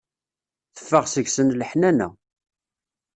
Teffeɣ seg-sen leḥnana.